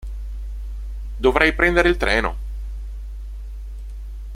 Dovrei prendere il treno".